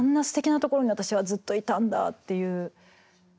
すてきなところに私はずっといたんだっていう。